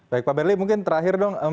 baik pak berli mungkin terakhir dong